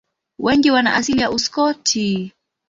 Wengi wana asili ya Uskoti.